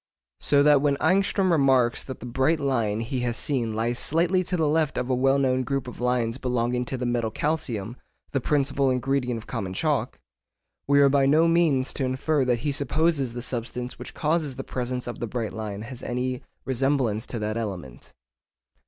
So that when Ångström remarks that the bright line he has seen lies slightly to the left of a well known group of lines belonging to the metal calcium (the principal ingredient of common chalk), we are by no means to infer that he supposes the substance which causes the presence of the bright line has any resemblance to that element.